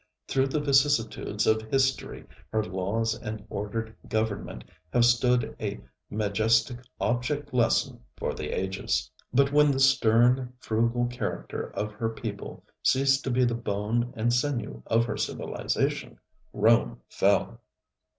Through the vicissitudes of history her laws and ordered government have stood a majestic object lesson for the ages. But when the stern, frugal character of her people ceased to be the bone and sinew of her civilization, Rome fell.